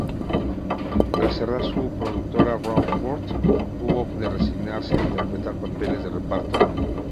Tras cerrar su productora, Bosworth hubo de resignarse a interpretar papeles de reparto.